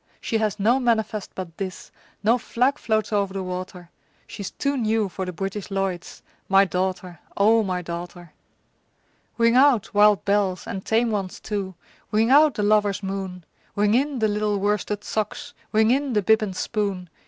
She has no manifest but this, No flag floats o'er the water, She's too new for the British Lloyds My daughter, O my daughter! Ring out, wild bells, and tame ones too! Ring out the lover's moon! Ring in the little worsted socks! Ring in the bib and spoon!